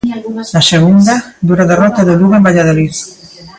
Na Segunda, dura derrota do Lugo en Valladolid.